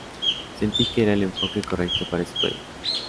Sentí que era el enfoque correcto para este proyecto.